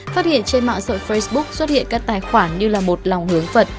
phát hiện trên mạng sội facebook xuất hiện các tài khoản như là một lòng hướng phật